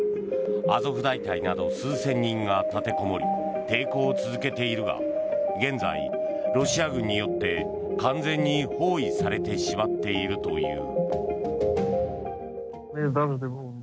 アゾフ大隊など数千人が立てこもり抵抗を続けているが現在、ロシア軍によって完全に包囲されてしまっているという。